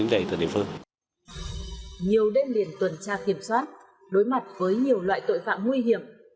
nhiều đất liền tuần tra kiểm soát đối mặt với nhiều loại tội phạm nguy hiểm